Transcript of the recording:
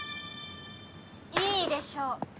いいでしょう。